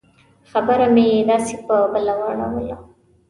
خبره مې داسې په بله واړوله.